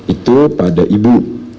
itu pada ibu